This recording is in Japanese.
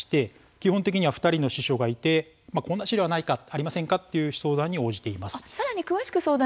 基本的には２人の司書がいてこんな資料はありませんかといった相談に応じています。